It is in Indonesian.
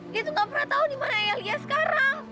dia tuh gak pernah tau dimana ayah lia sekarang